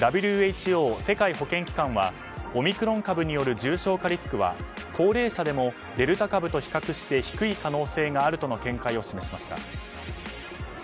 ＷＨＯ・世界保健機関はオミクロン株による重症化リスクは高齢者でも、デルタ株と比較して低い可能性があるとの見解を示しました。